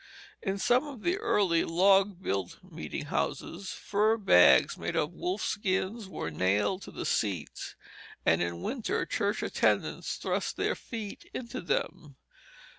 In some of the early log built meeting houses, fur bags made of wolfskins were nailed to the seats; and in winter church attendants thrust their feet into them.